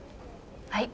はい。